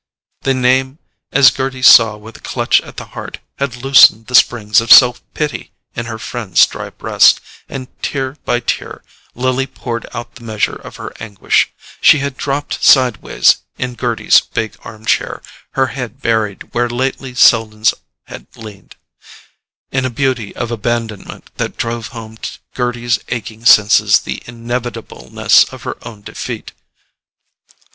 The name, as Gerty saw with a clutch at the heart, had loosened the springs of self pity in her friend's dry breast, and tear by tear Lily poured out the measure of her anguish. She had dropped sideways in Gerty's big arm chair, her head buried where lately Selden's had leaned, in a beauty of abandonment that drove home to Gerty's aching senses the inevitableness of her own defeat.